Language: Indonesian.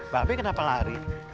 tapi kenapa lari